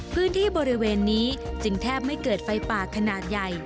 พื้นที่บริเวณนี้จึงแทบไม่เกิดไฟป่าขนาดใหญ่